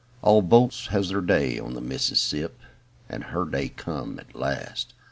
AH boats have their day on the Mississip, And her day come at last.